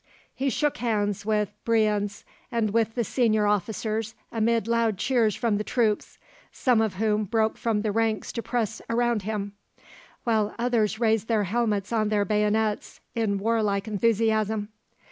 He shook hands with Brienz and with the senior officers amid loud cheers from the troops, some of whom broke from the ranks to press around him, while others raised their helmets on their bayonets in warlike enthusiasm.